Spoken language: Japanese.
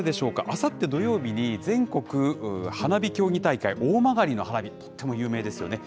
あさって土曜日に、全国花火競技大会、大曲の花火、とっても有名ですよね。